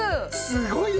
すごい。